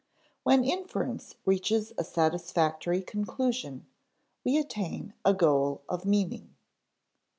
When an inference reaches a satisfactory conclusion, we attain a goal of meaning.